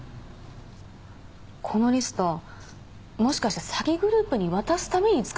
このリストもしかして詐欺グループに渡すために作られたんじゃない？